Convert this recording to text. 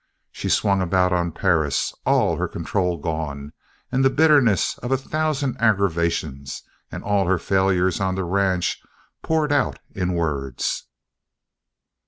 She swung about on Perris, all her control gone, and the bitterness of a thousand aggravations and all her failures on the ranch poured out in words.